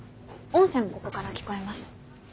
音声もここから聞こえます。